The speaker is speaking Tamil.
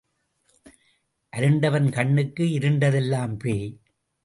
அருண்டவன் கண்ணுக்கு இருண்டதெல்லாம் பேய்.